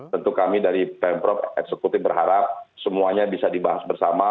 tentu kami dari pemprov eksekutif berharap semuanya bisa dibahas bersama